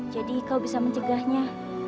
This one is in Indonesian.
jadi kau bisa mencegahnya